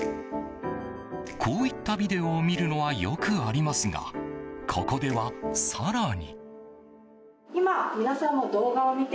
こういったビデオを見るのはよくありますが、ここでは更に。